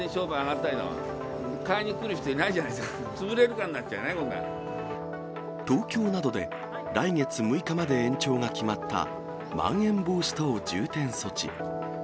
買いに来る人、いないじゃないで東京などで、来月６日まで延長が決まったまん延防止等重点措置。